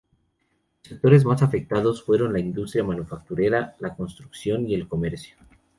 Los sectores más afectados fueron la industria manufacturera, la construcción y el comercio.